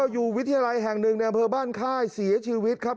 วิทยาลัยแห่งหนึ่งในอำเภอบ้านค่ายเสียชีวิตครับ